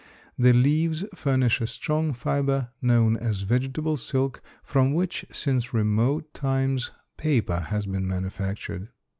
The leaves furnish a strong fiber, known as vegetable silk, from which, since remote times, paper has been manufactured.